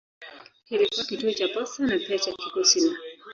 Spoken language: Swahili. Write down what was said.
Ilikuwa kituo cha posta na pia cha kikosi na.